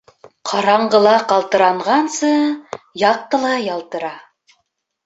Ҡараңғыла ҡалтырағансы, яҡтыла ялтыра.